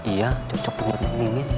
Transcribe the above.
iya cocok banget mimin